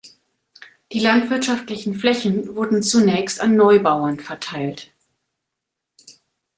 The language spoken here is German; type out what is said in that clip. Die landwirtschaftlichen Flächen wurden zunächst an Neubauern verteilt.